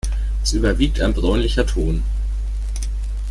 Es überwiegt ein bräunlicher Ton.